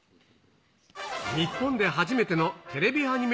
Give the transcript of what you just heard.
日本で初めてのテレビアニメ